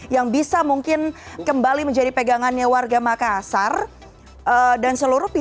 yang bisa mungkin kembali menjadi pegangannya warga makassar dan seluruh pihak untuk memastikan bahwa memang komitmen pemerintah dalam hal ini